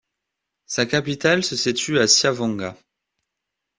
Sa capitale se situe à Siavonga.